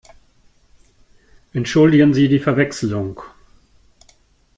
Entschuldigen Sie die Verwechslung!